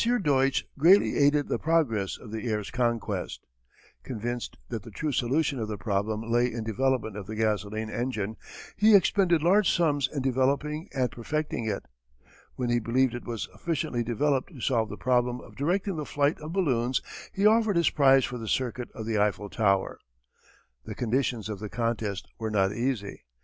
Deutsch greatly aided the progress of the air's conquest. Convinced that the true solution of the problem lay in development of the gasoline engine, he expended large sums in developing and perfecting it. When he believed it was sufficiently developed to solve the problem of directing the flight of balloons he offered his prize for the circuit of the Eiffel Tower. The conditions of the contest were not easy.